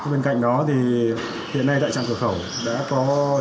bên cạnh đó thì hiện nay tại trạm cửa khẩu đã có trạm cửa khẩu